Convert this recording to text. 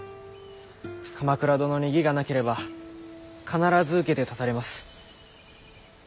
鎌倉殿に義がなければ必ず受けて立たれます。